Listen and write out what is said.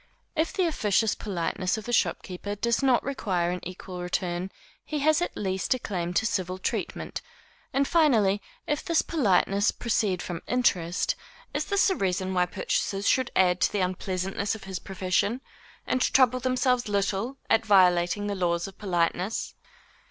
If the officious politeness of the shopkeeper does not require an equal return, he has at least a claim to civil treatment; and, finally, if this politeness proceed from interest, is this a reason why purchasers should add to the unpleasantness of his profession, and trouble themselves little at violating the laws of politeness?